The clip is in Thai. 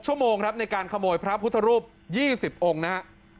ชั่วโมงครับในการขโมยพระพุทธรูป๒๐องค์นะครับ